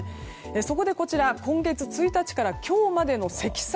そこで、こちらは今月１日から今日までの積算